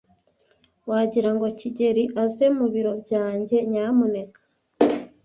Wagira ngo kigeli aze mu biro byanjye, nyamuneka?